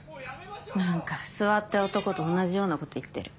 何か諏訪って男と同じようなこと言ってる。